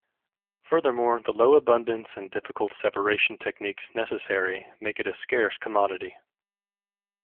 Furthermore, the low abundance and difficult separation techniques necessary make it a scarce commodity.